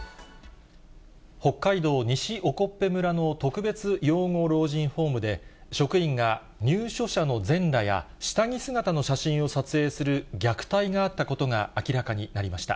北海道西興部村の特別養護老人ホームで、職員が、入所者の全裸や下着姿の写真を撮影する虐待があったことが明らかになりました。